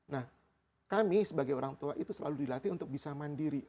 nah kami sebagai orang tua itu selalu dilatih untuk bisa mandiri